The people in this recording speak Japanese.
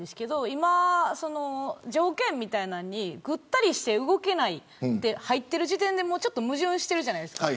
今、条件みたいなのにぐったりして動けないと入っている時点でちょっと矛盾しているじゃないですか。